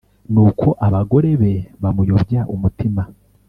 Nuko abagore be bamuyobya umutima